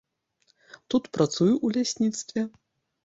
Тут працую ў лясніцтве.